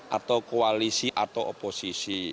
atau koalisi atau oposisi